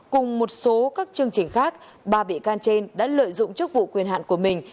cùng một số các chương trình khác ba bị can trên đã lợi dụng chức vụ quyền hạn của mình